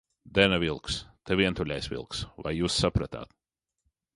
Dena vilks, te Vientuļais vilks, vai jūs sapratāt?